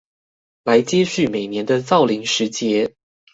來接續每年的造林時節